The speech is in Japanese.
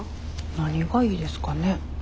何がいいですかね。